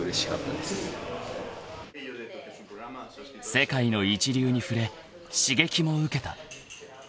［世界の一流に触れ刺激も受けた］